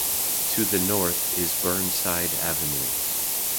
To the north is Burnside Avenue.